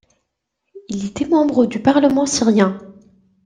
Il était membre du parlement syrien.